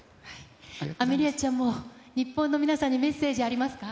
アメリアちゃんも、日本の皆さんにメッセージありますか？